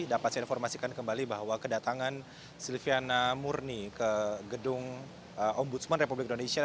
dapat saya informasikan kembali bahwa kedatangan silviana murni ke gedung ombudsman republik indonesia